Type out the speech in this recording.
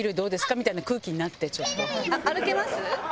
みたいな空気になってちょっと。